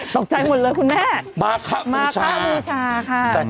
ตกใจหมดเลยคุณแม่มาขะบูชามาขะบูชาค่ะแต่